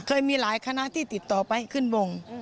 เคยมีหลายคณะที่ติดต่อไปขึ้นวง